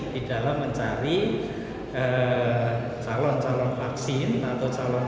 di dalam mencari calon calon vaksin atau calon